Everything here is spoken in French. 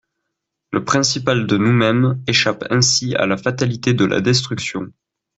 Le principal de nous-mêmes échappe ainsi à la fatalité de la destruction.